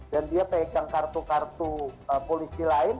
dan dia pegang kartu kartu polisi lain